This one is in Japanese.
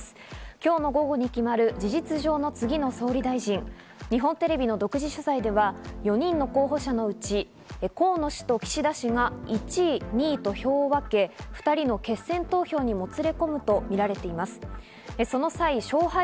今日の午後に決まる事実上の次の総理大臣、日本テレビの独自取材では、４人の候補者のうち、河野氏と岸田氏が１位、２位と票を分け、２人の決選投票にもつれ込むとみられています。